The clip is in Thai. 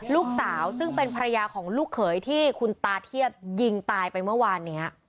ลูกสาวซึ่งเป็นภรรยาของลูกเขยที่คุณตาเทียบยิงตายไปเมื่อวานนี้